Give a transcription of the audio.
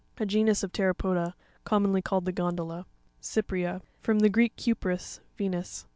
A genus of ptero poda, commonly called the gondola. Cypr#'a.—From the Greek, kupris, Venus.